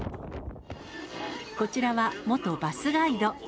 こちらは元バスガイド。